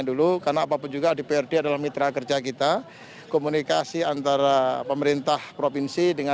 dan juga mengungkapkan bahwa ini adalah sebuah perjalanan yang sangat penting